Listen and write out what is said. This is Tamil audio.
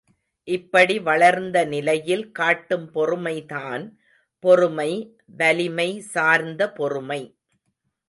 இப்படி வளர்ந்த நிலையில் காட்டும் பொறுமைதான் பொறுமை வலிமை சார்ந்த பொறுமை.